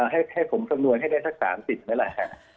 ให้ผมคำนวณให้ได้สัก๓๐พักนี่ไหมล่ะค่ะ